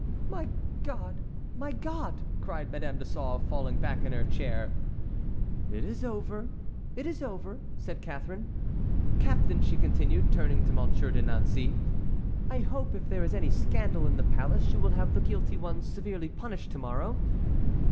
"My God! my God!" cried Madame de Sauve, falling back in her chair. "It is over, it is over," said Catharine. "Captain," she continued, turning to Monsieur de Nancey, "I hope if there is any scandal in the palace you will have the guilty ones severely punished to morrow.